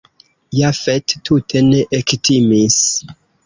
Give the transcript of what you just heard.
Jafet tute ne ektimis.